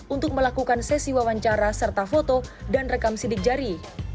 untuk melakukan sesi wawancara serta foto dan rekam sidik jari